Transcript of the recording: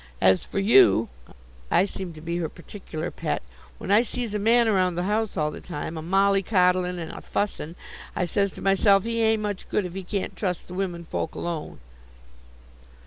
As for you" I seemed to be her particular pet "when I sees a man around the house all the time, a molly coddling and a fussing, I says to myself, he ain't much good if he can't trust the women folk alone."